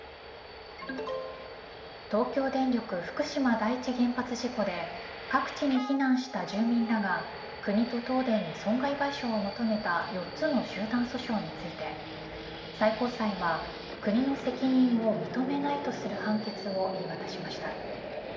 東京電力福島第一原発事故で各地に避難した住民らが国と東電に損害賠償を求めた４つの集団訴訟について最高裁は国の責任を認めないとする判決を言い渡しました。